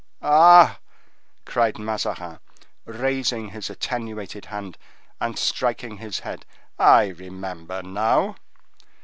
"Ah!" cried Mazarin, raising his attenuated hand, and striking his head, "I remember now!"